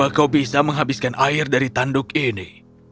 apakah kau bisa menghabiskan air dari tanduk ini